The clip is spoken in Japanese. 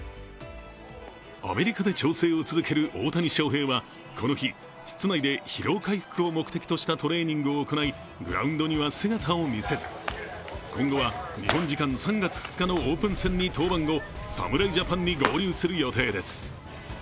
アメリカで調整を続ける大谷翔平はこの日、室内で疲労回復を目的としたトレーニングを行い、グラウンドには姿を見せず、今後は日本時間３月２日のオープン戦に登板後侍ジャパンに合流する予定です。